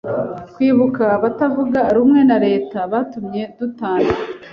Kwibuka abatavuga rumwe na leta batumye dutana